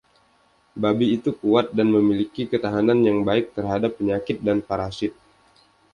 Babi itu kuat dan memiliki ketahanan yang baik terhadap penyakit dan parasit.